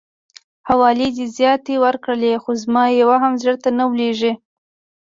حوالې دي زياتې ورکړلې خو زما يوه هم زړه ته نه لويږي.